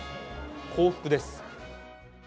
幸福です。